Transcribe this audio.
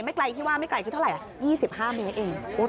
ไม่ไกลที่ว่าไม่ไกลที่เท่าไร๒๕เมตรเอง